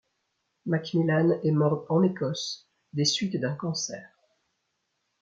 MacMillan est mort en Écosse des suites d'un cancer.